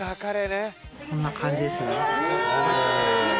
こんな感じですね。